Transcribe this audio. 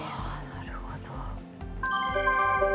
なるほど。